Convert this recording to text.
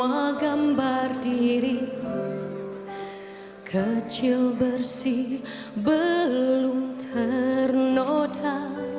bahwa gambar diri kecil bersih belum ternoda